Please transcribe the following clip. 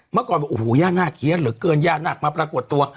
เมื่อก่อนบอกโอ้โหย่าน่าเคี้ยนเหลือเกินย่านักมาปรากฏตัว